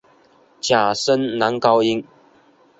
假声男高音。